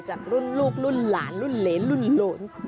จากรุ่นลูกรุ่นหลานรุ่นเหรนรุ่นโหลน